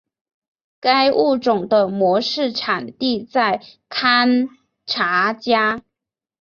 该物种的模式产地在堪察加。